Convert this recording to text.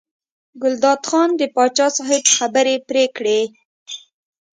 ګلداد خان د پاچا صاحب خبرې پرې کړې.